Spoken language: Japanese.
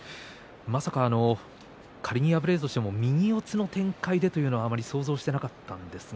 まさか仮に敗れるとしても右四つの展開でということは想像していなかったんですが。